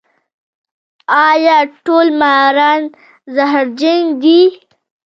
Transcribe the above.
ایا ټول ماران زهرجن دي؟